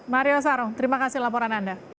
mario saro terima kasih laporan anda